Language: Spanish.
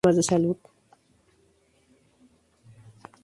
Núñez vuelve a subir al poder, pero no lo ejerce por problemas de salud.